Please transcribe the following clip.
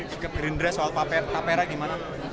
sikap gerindra soal tapera gimana